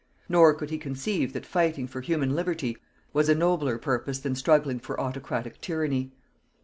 Nor could he conceive that fighting for human liberty was a nobler purpose than struggling for autocratic tyranny.